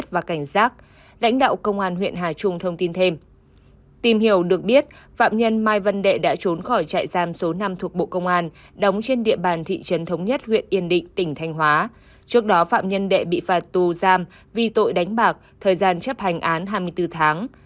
trước đó phạm nhân đệ bị phạt tù giam vì tội đánh bạc thời gian chấp hành án hai mươi bốn tháng